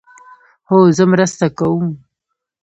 هو، زه مرسته کوم